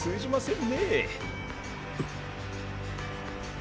ん？